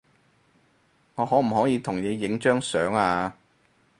我可唔可以同你影張相呀